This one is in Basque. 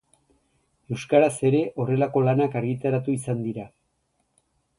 Euskaraz ere horrelako lanak argitaratu izan dira.